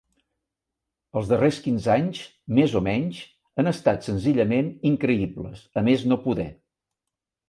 Els darrers quinze anys més o menys han estat senzillament increïbles a més no poder.